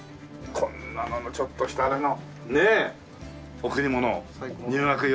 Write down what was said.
こんなのちょっとしたあれのねえ贈り物入学祝いとかねえ。